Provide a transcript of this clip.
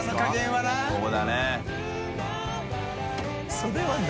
それは何？